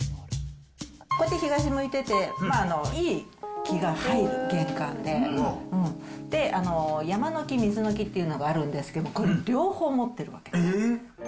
こうやって東向いてて、いい気が入る玄関で、山の気、水の気っていうのがあるんですけど、これ、両方持ってる。